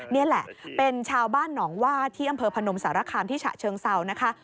นี่แหละเป็นชาวบ้านหนองว่าที่อำเภอพนมสารคามที่ฉะเชิงเซานะคะ